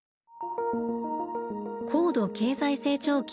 高度経済成長期